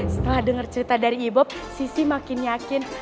setelah denger cerita dari ibuk sisi makin yakin